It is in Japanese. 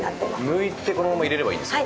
抜いて、このまま入れればいいんですか。